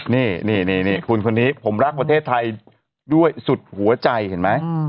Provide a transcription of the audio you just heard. นี่คุณคนนี้ผมรักประเทศไทยด้วยสุดหัวใจเห็นไหม